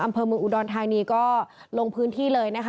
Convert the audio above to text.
อำเภอเมืองอุดรธานีก็ลงพื้นที่เลยนะคะ